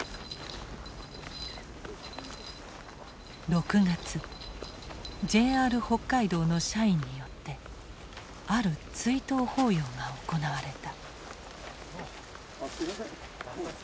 ６月ＪＲ北海道の社員によってある追悼法要が行われた。